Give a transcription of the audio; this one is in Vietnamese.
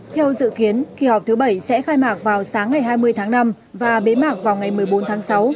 theo dự kiến kỳ họp thứ bảy sẽ khai mạc vào sáng ngày hai mươi tháng năm và bế mạc vào ngày một mươi bốn tháng sáu